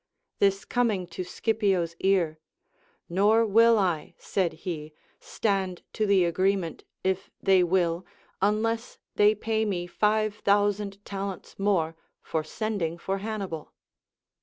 This coming to Scipio's ear, Nor will I, said he, stand to the agreement if they will, unless they pay me five thousand talents more for sending for Hannibal.